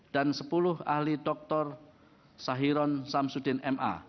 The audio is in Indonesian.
dan sepuluh ahli doktor sahiron samsudin ma